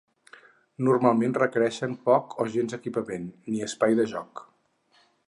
Normalment requereixen poc o gens d'equipament, ni espai de joc.